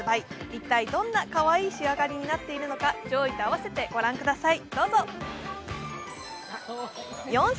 一体どんなかわいい仕上がりになっているのか、上位と併せてご覧ください